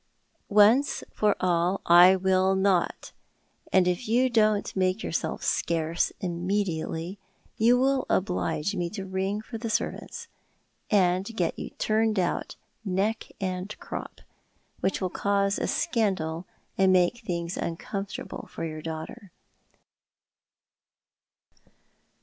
"Once for all I will not; and if you don't make yourself scarce immediately you will oblige me to ring for the servants, and get you turned out neck and crop, which will cause a scandal, and make things uncomfortable for your daughter."